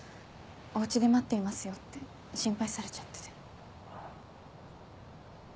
お家で待っていますよって心配されちゃってて。